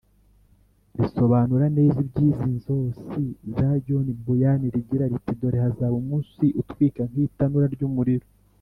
risobanura neza iby’izi nzosi za John Buyan rigira riti “Dore hazaba umunsi utwika nk’itanura ry’umuriro,